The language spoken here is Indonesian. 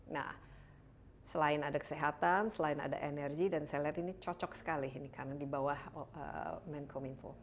nah selain ada kesehatan selain ada energi dan saya lihat ini cocok sekali ini karena di bawah menkom info